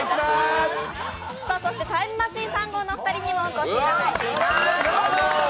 そしてタイムマシーン３号のお二人にもお越しいただいています。